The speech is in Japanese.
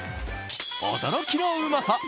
驚きのうまさ。